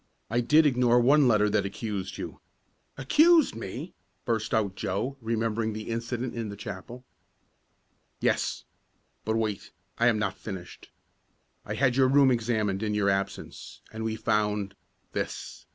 I did ignore one letter that accused you " "Accused me!" burst out Joe, remembering the incident in chapel. "Yes. But wait, I am not finished. I had your room examined in your absence, and we found this."